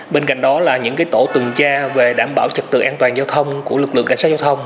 bên cạnh đó là những tổ tuần tra về đảm bảo trật tự an toàn giao thông của lực lượng cảnh sát giao thông